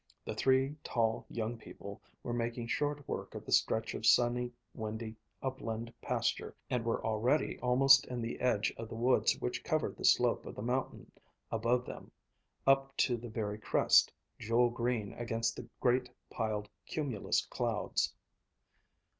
The three tall young people were making short work of the stretch of sunny, windy, upland pasture, and were already almost in the edge of the woods which covered the slope of the mountain above them up to the very crest, jewel green against the great, piled, cumulus clouds.